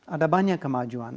ada banyak kemajuan